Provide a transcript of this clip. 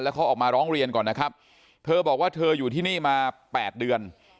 เขาออกมาร้องเรียนก่อนนะครับเธอบอกว่าเธออยู่ที่นี่มา๘เดือน